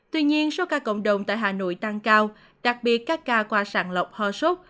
tuy nhiên số ca cộng đồng tại hà nội tăng cao đặc biệt các ca qua sàng lọc ho sốt